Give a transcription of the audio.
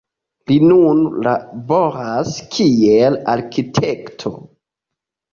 Li nun laboras kiel arkitekto.